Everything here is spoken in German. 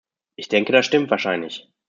Ich denke, das stimmt wahrscheinlich.